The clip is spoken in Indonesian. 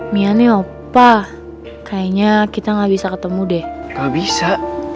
miannya opah kayaknya kita nggak bisa ketemu deh nggak bisa